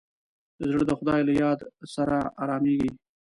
زړه د خدای له یاد سره ارامېږي.